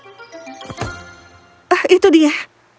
putri kertas lalu berlari ke arah topi kertasnya